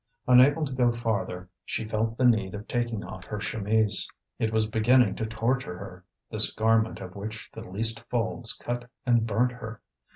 Unable to go farther, she felt the need of taking off her chemise. It was beginning to torture her, this garment of which the least folds cut and burnt her.